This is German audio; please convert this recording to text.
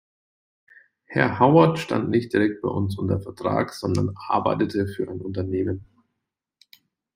Herr Howard stand nicht direkt bei uns unter Vertrag, sondern arbeitete für ein Unternehmen.